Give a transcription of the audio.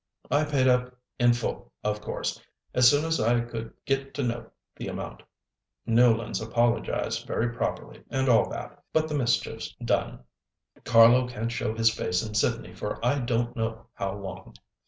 I paid up in full, of course, as soon as I could get to know the amount. Newlands apologised very properly and all that. But the mischief's done! Carlo can't show his face in Sydney for I don't know how long.